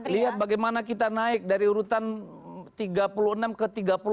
lihat bagaimana kita naik dari urutan tiga puluh enam ke tiga puluh enam